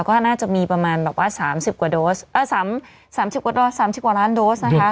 ก็น่าจะมีประมาณแบบว่า๓๐กว่าร้านโดสนะคะ